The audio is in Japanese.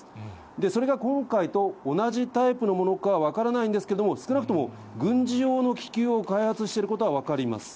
それが今回と同じタイプのものか分からないんですけれども、少なくとも、軍事用の気球を開発していることは分かります。